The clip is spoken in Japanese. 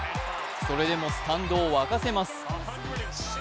それでもスタンドを沸かせます。